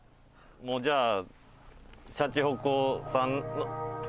もうじゃあシャチホコさん。